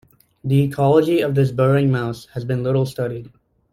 The ecology of this burrowing mouse has been little studied.